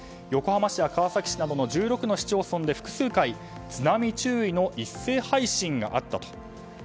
横浜市や川崎市など１６の市町村で複数回、津波注意の一斉配信があったと。